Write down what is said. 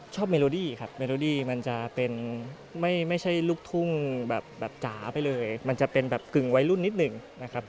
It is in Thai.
เมโลดี้ครับเมโลดี้มันจะเป็นไม่ใช่ลูกทุ่งแบบจ๋าไปเลยมันจะเป็นแบบกึ่งวัยรุ่นนิดหนึ่งนะครับ